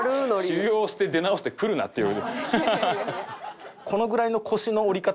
修業して出直してくるなっていう。